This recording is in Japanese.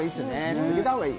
続けたほうがいい